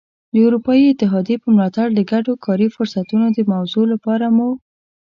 د اروپايي اتحادیې په ملاتړ د ګډو کاري فرصتونو د موضوع لپاره مو.